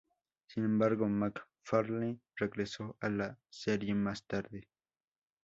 Sin embargo McFarlane regresó a la serie más tarde.